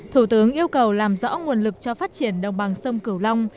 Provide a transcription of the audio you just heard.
thủ tướng yêu cầu làm rõ nguồn lực cho phát triển đồng bằng sông cửu long